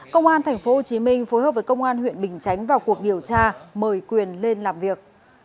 công an tp hcm phối hợp với công an huyện bình chánh vào cuộc điều tra mời quyền lên làm việc